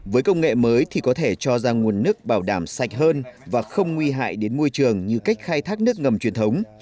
với công nghệ mới thì có thể cho ra nguồn nước bảo đảm sạch hơn và không nguy hại đến môi trường như cách khai thác nước ngầm truyền thống